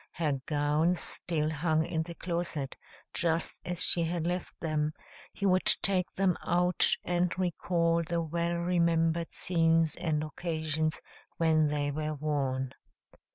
Her gowns still hung in the closet, just as she had left them; he would take them out and recall the well remembered scenes and occasions when they were worn.